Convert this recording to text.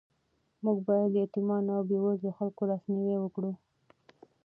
موږ باید د یتیمانو او بېوزلو خلکو لاسنیوی وکړو.